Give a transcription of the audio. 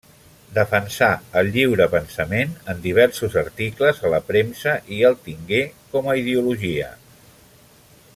Defensà el lliurepensament en diversos articles a la premsa i el tingué com a ideologia.